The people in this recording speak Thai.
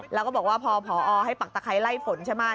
แล้วก็บอกว่าพอผอให้ปักตะไครไล่ฝนใช่ไหม